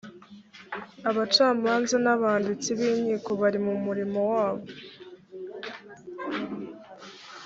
abacamanza n’ abanditsi b’ inkiko bari mu mirimo wabo